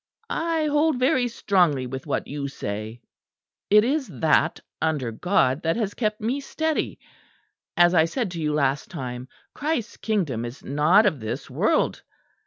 I hold very strongly with what you say; it is that, under God, that has kept me steady. As I said to you last time, Christ's Kingdom is not of this world.